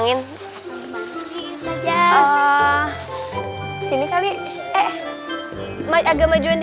dan jaraknya dia aja majuannya